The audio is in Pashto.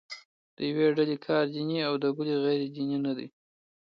د یوې ډلې کار دیني او د بلې غیر دیني نه دی.